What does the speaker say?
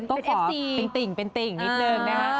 ติ่งเป็นติ่งนิดนึงนะคะ